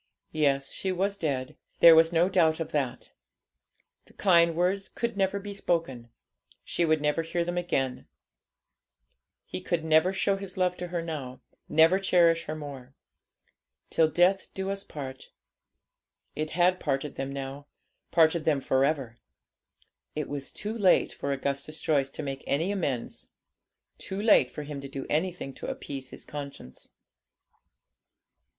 Yes, she was dead; there was no doubt of that. The kind words could never be spoken, she would never hear him again, he could never show his love to her now, never cherish her more. 'Till death us do part.' It had parted them now, parted them for ever. It was too late for Augustus Joyce to make any amends; too late for him to do anything to appease his conscience.